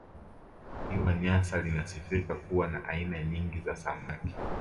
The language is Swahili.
Ziwa Nyasa linasifika kuwa na aina nyingi za samaki